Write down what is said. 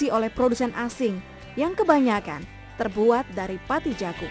diisi oleh produsen asing yang kebanyakan terbuat dari pati jagung